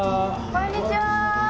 こんにちは。